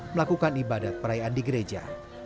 melakukan ibadat perayaan di gereja